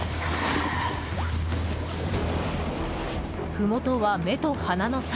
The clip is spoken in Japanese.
ふもとは目と鼻の先。